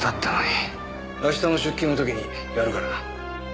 明日の出勤の時にやるからな。